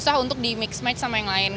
susah untuk di mix match sama yang lain